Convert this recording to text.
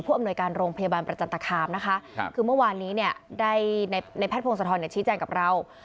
ผู้อำนวยการโรงพยาบาลประจันตะคามนะคะคือเมื่อวานนี้ในแพทย์โพงสะท้อนชี้แจ่งกับเรา